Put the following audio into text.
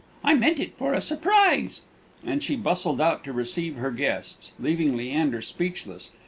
I meant it for a surprise." And she bustled out to receive her guests, leaving Leander speechless.